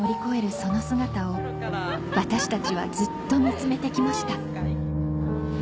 その姿を私たちはずっと見つめて来ました